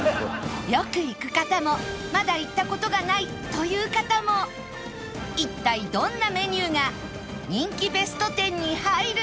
よく行く方もまだ行った事がないという方も一体どんなメニューが人気ベスト１０に入るのか